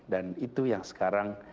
dan itu yang sekarang